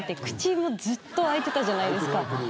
口もずっと開いてたじゃないですか。